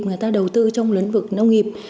người ta đầu tư trong lĩnh vực nông nghiệp